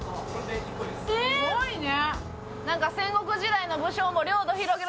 すごいね！